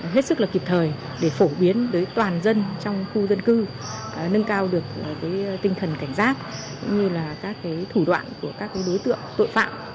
hết sức là kịp thời để phổ biến tới toàn dân trong khu dân cư nâng cao được tinh thần cảnh giác cũng như là các thủ đoạn của các đối tượng tội phạm